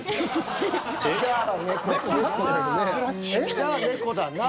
じゃあ猫かなぁ。